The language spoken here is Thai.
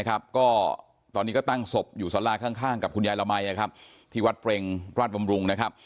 ก็ตอนนี้ก็ตั้งศพอยู่สาราข้างกับคุณยายละมัยที่วัดเปรงราชบำรุงนะครับ